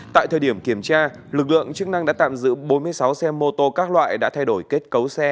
tại thời điểm kiểm tra lực lượng chức năng đã tạm giữ bốn mươi sáu xe mô tô các loại đã thay đổi kết cấu xe